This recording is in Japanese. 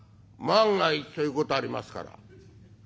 「万が一ということありますから」。